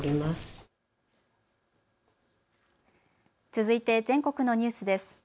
続いて、全国のニュースです。